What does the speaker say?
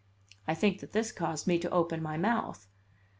I think that this caused me to open my mouth.